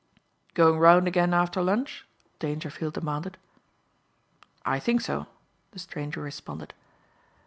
"Going 'round again after lunch?" Dangerfield demanded. "I think so," the stranger responded.